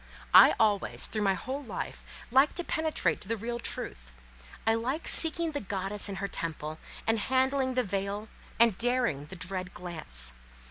I always, through my whole life, liked to penetrate to the real truth; I like seeking the goddess in her temple, and handling the veil, and daring the dread glance.